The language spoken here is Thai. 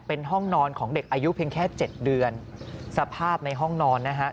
เป็นห้องนอนของเด็กอายุเพียงแค่เจ็ดเดือนสภาพในห้องนอนนะฮะ